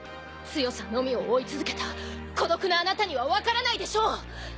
強さのみを追い続けた孤独なあなたにはわからないでしょう！